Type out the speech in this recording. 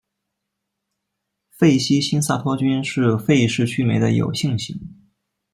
费希新萨托菌是费氏曲霉的有性型。